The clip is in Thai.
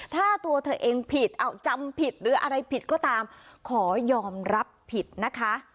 ถ้าตัวเธอเองผิดเอาจำผิดหรืออะไรผิดก็ตามขอยอมรับผิดนะคะ